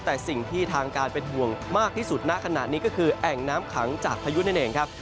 แต่สิ่งที่ทางการเป็นห่วงมากที่สุดณขณะนี้ก็คือแอ่งน้ำขังจากพายุนั่นเองครับ